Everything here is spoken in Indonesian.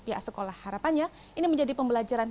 pihak sekolah harapannya ini menjadi pembelajaran